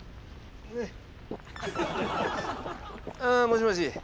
ああもしもし。